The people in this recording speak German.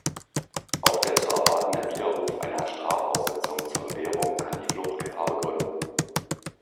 Auch der zu erwartende Widerruf einer Strafaussetzung zur Bewährung kann die Fluchtgefahr begründen.